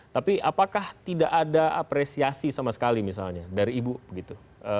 tapi apakah tidak ada apresiasi sama sekali misalnya dari ibu begitu